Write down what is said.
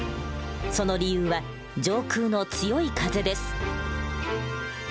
その理由は上空の強い風です。